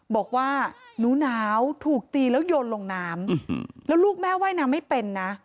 บอกว่าหนูหนาวถูกตีแล้วโยนลงน้ำแล้วลูกแม่ว่ายน้ำไม่เป็นนะ